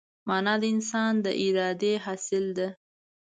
مانا د انسان د ارادې حاصل ده.